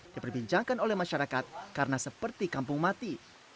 diperbincangkan oleh masyarakat karena seperti kampung mati